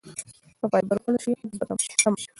که فایبر وخوړل شي قبض به کمه شي.